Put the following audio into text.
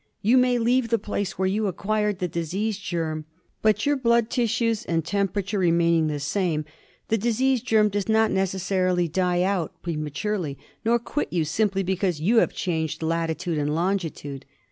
You may leave the place where you acquired the disease germ, but your blood, tissues and temperature remaining the same, the disease germ does not necessarily die out prematurely, nor quit you simply because you have changed latitude and longi tude.